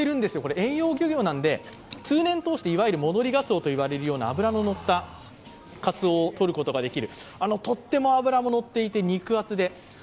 遠洋漁業なので、通年通していわゆる戻りがつおといわれるような脂ののったかつおをとることができる。